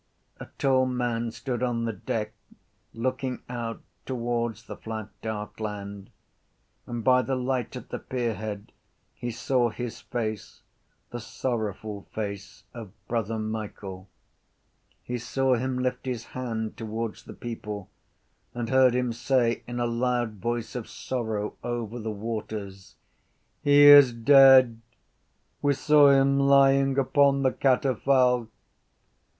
A tall man stood on the deck, looking out towards the flat dark land: and by the light at the pierhead he saw his face, the sorrowful face of Brother Michael. He saw him lift his hand towards the people and heard him say in a loud voice of sorrow over the waters: —He is dead. We saw him lying upon the catafalque.